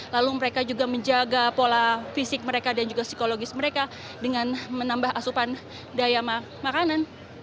lalu mereka juga menjaga pola fisik mereka dan juga psikologis mereka dengan menambah asupan daya makanan